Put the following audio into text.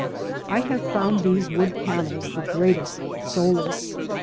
I have found these wood panels the greatest solace.